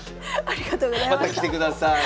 ありがとうございます。